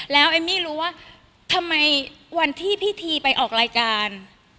แล้วเอมมี่รู้ว่าทำไมวันที่พี่ทีไปออกรายการ